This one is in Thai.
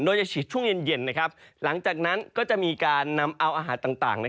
โดยจะฉีดช่วงเย็นหลังจากนั้นก็จะมีการนำเอาอาหารต่าง